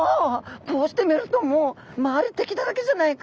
こうしてみるともう周り敵だらけじゃないか。